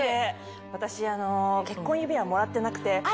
私結婚指輪もらってなくて。